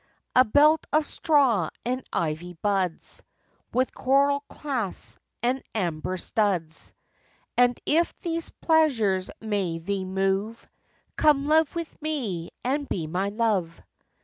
A belt of straw and ivy buds, With coral clasps and amber studs: And if these pleasures may thee move, Come live with me and be my love.